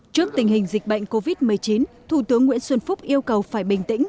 trước tình hình dịch bệnh covid một mươi chín thủ tướng nguyễn xuân phúc yêu cầu phải bình tĩnh